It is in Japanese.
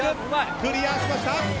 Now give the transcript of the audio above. クリアしました！